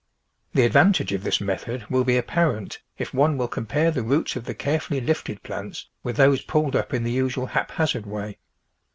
The advantage of this method will be apparent if one Avill compare the roots of the carefully lifted plants with those pulled up in the usual haphazard way.